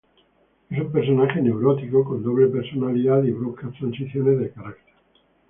Es un personaje neurótico, con doble personalidad y bruscas transiciones de carácter.